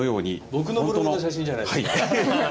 僕のブログの写真じゃないですか。